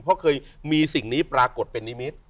เพราะเคยมีสิ่งนี้ปรากฏเป็นนิมิตร